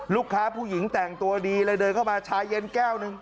ผู้หญิงแต่งตัวดีเลยเดินเข้ามาชาเย็นแก้วหนึ่ง